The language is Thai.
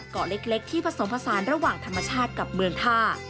เกาะเล็กที่ผสมผสานระหว่างธรรมชาติกับเมืองท่า